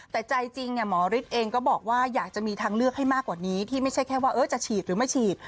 แต่ใจจริงหมอฤทธิ์เองก็บอกว่าอยากจะมีทางเลือกให้มากกว่านี้ที่ไม่ใช่แค่ว่าจะฉีดหรือไม่ฉีด